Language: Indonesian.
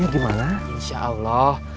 assalamualaikum burhanab worship allah